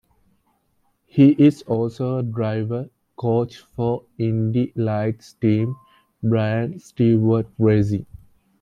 He is also a driver coach for Indy Lights team Brian Stewart Racing.